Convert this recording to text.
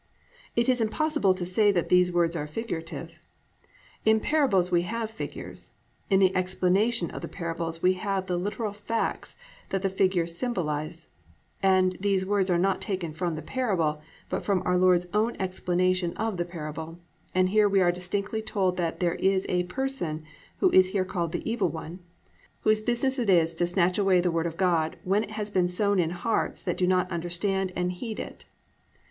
It is impossible to say that these words are figurative. In parables we have figures, in the explanation of the parables we have the literal facts that the figures symbolise, and these words are not taken from the parable, but from our Lord's own explanation of the parable, and here we are distinctly told that there is a person, who is here called "The Evil One," whose business it is to snatch away the Word of God when it has been sown in hearts that do not understand and heed it.